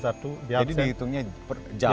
jadi dihitungnya per jam